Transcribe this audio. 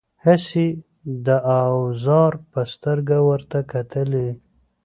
هسې د اوزار په سترګه ورته کتلي دي.